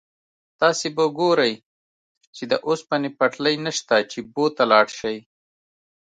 تاسو به ګورئ چې د اوسپنې پټلۍ نشته چې بو ته لاړ شئ.